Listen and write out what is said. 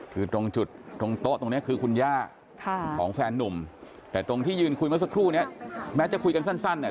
คือตรงจุดตรงโต๊ะตรงนี้คือคุณย่าของแฟนนุ่มแต่ตรงที่ยืนคุยเมื่อสักครู่เนี้ยแม้จะคุยกันสั้นเนี่ย